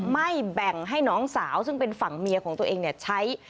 ไม่แบ่งให้น้องสาวซึ่งเป็นฝั่งเมียของตัวเองใช้